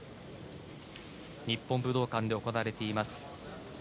日本武道館で行われています